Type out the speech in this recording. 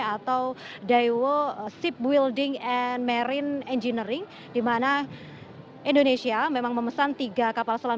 atau daiwo shipbuilding and marine engineering di mana indonesia memang memesan tiga kapal selam